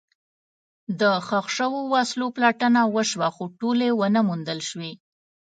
د ښخ شوو وسلو پلټنه وشوه، خو ټولې ونه موندل شوې.